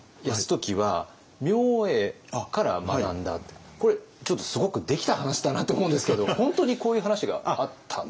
泰時は明恵から学んだってこれちょっとすごくできた話だなと思うんですけど本当にこういう話があった？